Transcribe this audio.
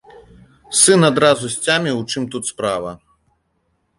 Сын адразу сцяміў, у чым тут справа.